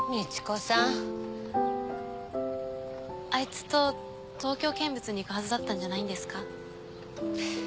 あいつと東京見物に行くはずだったんじゃないんですか？